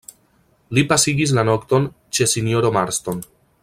Li pasigis la nokton ĉe sinjoro Marston.